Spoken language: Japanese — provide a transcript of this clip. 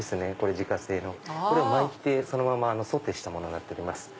自家製のこれを巻いてそのままソテーしたものになっております。